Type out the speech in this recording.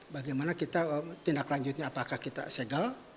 bagaimana kita tindak lanjutnya apakah kita segel